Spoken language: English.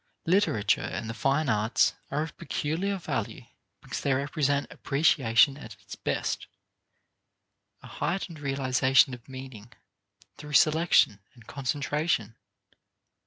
Literature and the fine arts are of peculiar value because they represent appreciation at its best a heightened realization of meaning through selection and concentration.